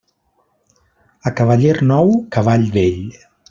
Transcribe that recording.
A cavaller nou, cavall vell.